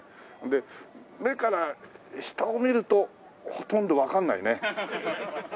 で目から下を見るとほとんどわかんないね。